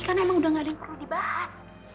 karena emang udah gak ada yang perlu dibahas